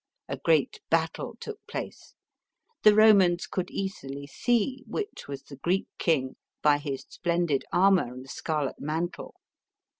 A great battle took place. The Romans could easily see, which was the Greek king, by hfs splendid armour and scarlet mantle.